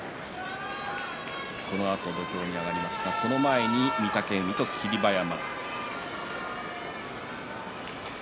このあと土俵に上がりますがその前に御嶽海と霧馬山。